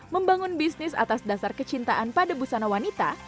membangun bisnis atas dasar kecintaan pada busana wanita